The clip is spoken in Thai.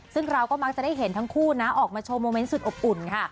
ซึ่งเราก็มักจะได้เห็นทั้งคู่นะออกมาโชว์โมเมนต์สุดอบอุ่นค่ะ